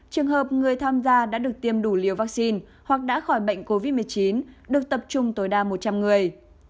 trường hợp người tham gia đã được tiêm đủ liều vaccine hoặc đã khỏi bệnh covid một mươi chín được tập trung tối đa một trăm linh người